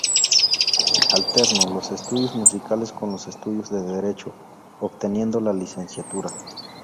Alternó los estudios musicales con los estudios de Derecho, obteniendo la licenciatura.